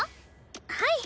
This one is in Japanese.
はい。